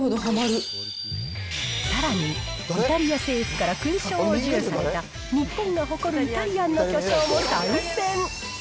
さらに、イタリア政府から勲章を授与された日本が誇るイタリアンの巨匠も参戦。